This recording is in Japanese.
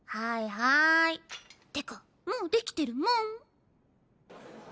はいってかもうできてるもん